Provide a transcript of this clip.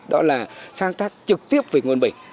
đó là sáng tác trực tiếp về nguyên bình